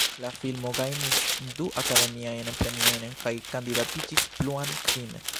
La filmo gajnis du Akademiajn Premiojn kaj kandidatiĝis pluan kvin.